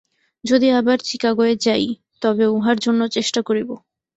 যদি আবার চিকাগোয় যাই, তবে উহার জন্য চেষ্টা করিব।